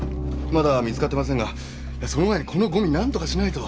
まだ見つかってませんがその前にこのゴミなんとかしないと。